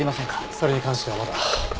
それに関してはまだ。